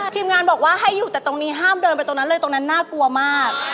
ทีมงานบอกว่าให้อยู่แต่ตรงนี้ห้ามเดินไปตรงนั้นเลยตรงนั้นน่ากลัวมาก